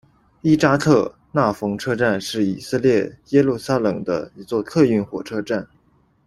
伊扎克·纳冯车站是以色列耶路撒冷的一座客运火车站。